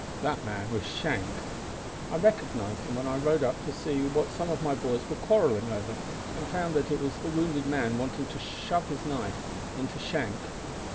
That man was Shank. I recognised him when I rode up to see what some of my boys were quarrelling over, and found that it was the wounded man wanting to shove his knife into Shank.